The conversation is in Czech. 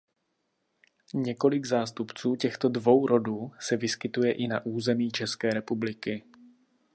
Několik zástupců těchto dvou rodů se vyskytuje i na území České republiky.